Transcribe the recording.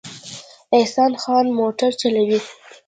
احسان خان موټر چلوي